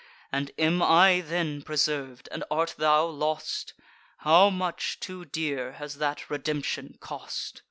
And am I then preserv'd, and art thou lost? How much too dear has that redemption cost!